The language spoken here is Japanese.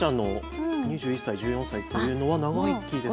２１歳、１４歳というのは長生きですか。